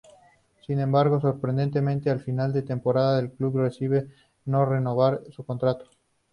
Sin embargo, sorprendentemente, al final de temporada el club decide no renovar su contrato.